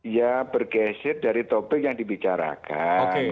ya bergeser dari topik yang dibicarakan